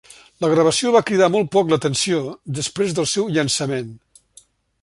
La gravació va cridar molt poc l'atenció després del seu llançament.